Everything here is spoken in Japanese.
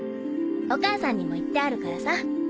お母さんにも言ってあるからさ。